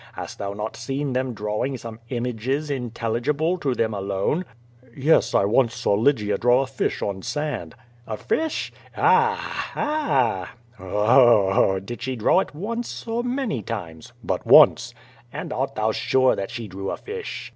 Hast thou not seen them drawing some images intelligible to them alone?" "Yes, I once saw Lygia draw a fish on sand." "A fish? A! a! 0! o! Did she draw it once or many times?" "But once." "And art thou sure that she drew a fish?"